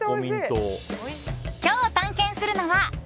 今日探検するのは。